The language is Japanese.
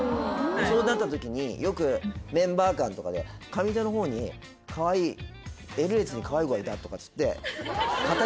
そうなった時によくメンバー間とかで上手の方にかわいいＬ列にかわいい子がいたとかっつってええ！